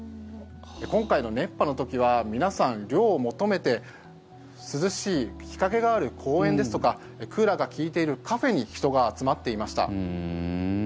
今回の熱波の時は皆さん、涼を求めて涼しい日陰がある公園ですとかクーラーが利いているカフェに人が集まっていました。